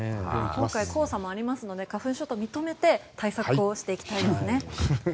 今回、黄砂もありますので花粉症と認めて対策をしていきたいですよね。